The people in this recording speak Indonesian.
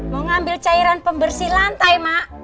mau ngambil cairan pembersih lantai mak